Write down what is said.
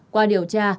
qua điều tra